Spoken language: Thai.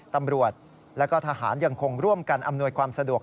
ตำรวจและก็ทหารยังคงร่วมกันอำนวยความสะดวก